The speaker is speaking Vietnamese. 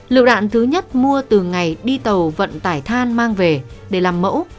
liệu đạn thứ nhất mua từ ngày đi tàu vận tải than mang về để làm mẫu